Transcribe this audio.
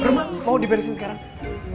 rumah mau diberesin sekarang